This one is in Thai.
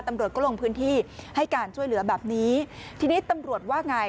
ตำรวจก็ลงพื้นที่ให้การช่วยเหลือแบบนี้ทีนี้ตำรวจว่าไง